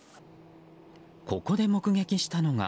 ここで目撃したのが。